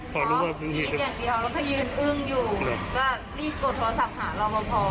พอรู้ว่าคิดอย่างเดียวแล้วก็ยืนอึ้งอยู่ก็รีบกดโทรศัพท์หารอบพอ